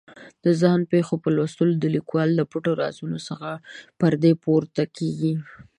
د ځان پېښو په لوستلو د لیکوال د پټو رازونو څخه پردې پورته کېږي.